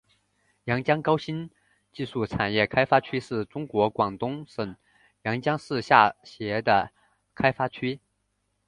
阳江高新技术产业开发区是中国广东省阳江市下辖的开发区。